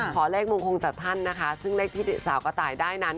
ขอเลขมงคลจากท่านนะคะซึ่งเลขที่สาวกระต่ายได้นั้น